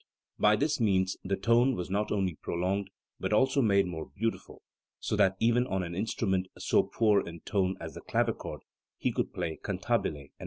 By this means the tone was not only prolonged, but also made more beautiful, so that even on ail instrument so poor in tone as the clavichord he could play cantabile and legato.